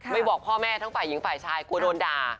บอกพ่อแม่ทั้งฝ่ายหญิงฝ่ายชายกลัวโดนด่า